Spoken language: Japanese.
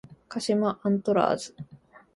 鹿島アントラーズ